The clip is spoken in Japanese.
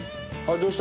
どうした？